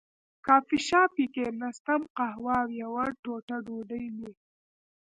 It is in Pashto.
کافي شاپ کې کېناستم، قهوه او یوه ټوټه ډوډۍ مې.